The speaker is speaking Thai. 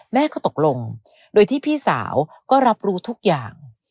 แม่ก็ตกลงโดยที่พี่สาวก็รับรู้ทุกอย่าง